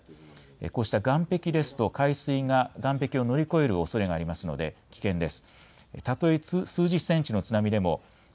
こうした岸壁ですと海水が岸壁を乗り越えるおそれがありますので危険です。